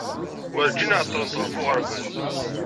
Werǧin ɛeḍḍlent ɣef uɣerbaz.